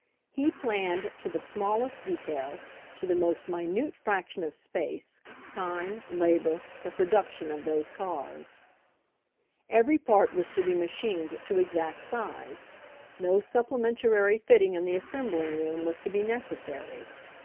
He planned to the smallest detail, to the most minute fraction of space, time, labor, the production of those cars. Every part was to be machined to exact size. No supplementary fitting in the assembling room was to be necessary.